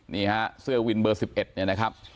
นี่ฮะเสื้อวินเบอร์๑๑เนี่ยนะครับ